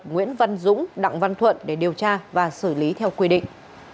nguyễn văn dũng đặng văn thuận để điều tra và xử lý theo quy định